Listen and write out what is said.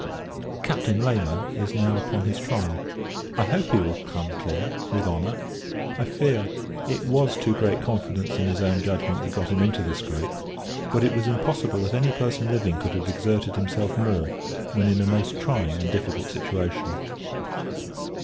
Captain Layman is now upon his trial. I hope he will come clear, with honour. I fear, it was too great confidence in his own judgment that got him into the scrape; but it was impossible that any person living could have exerted himself more, when in a most trying and difficult situation.